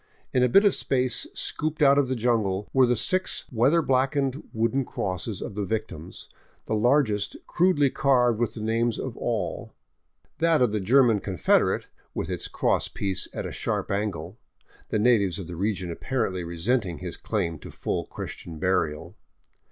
In a bit of space scolloped out of the jungle were the six weather blackened wooden crosses of the victims, the largest crudely carved with the names of all, that of the German con federate with its cross piece at a sharp angle, the natives of the region apparently resenting his claim to full Christian burial.